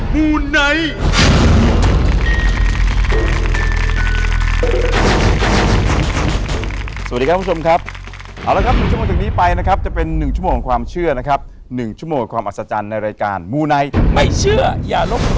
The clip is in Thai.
มูนัย